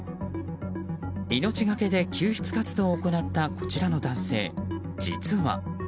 命がけで救出活動を行ったこちらの男性、実は。